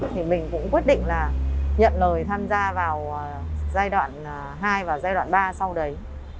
thì mình cũng quyết định là nhận lời tham gia vào giai đoạn hai và giai đoạn ba sau đấy